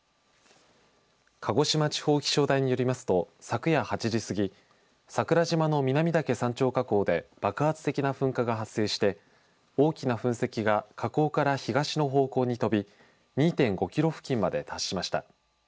鹿児島地方気象台によりますと昨夜８時過ぎ、桜島の南岳山頂火口で爆発的な噴火が発生して大きな噴石が火口から東の方向に飛び２．５キロ付近まで達しました。